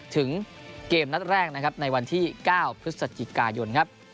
ถึงเกมนัดแรกนะครับในวันที่๙พฤศจิกายนครับ